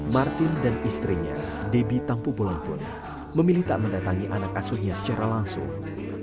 martin dan istrinya debbie tampu bolon pun memilih tak mendatangi anak asuhnya secara langsung